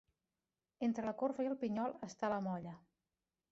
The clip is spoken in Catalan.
Entre la corfa i el pinyol està la molla.